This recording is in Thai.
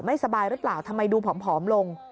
ไม่สบายรึเปล่าทำไมดูผอมลง